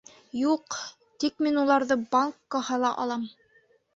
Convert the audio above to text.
Юҡ, тик мин уларҙы банкҡа һала алам.